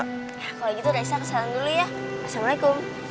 kalau gitu raisa kesana dulu ya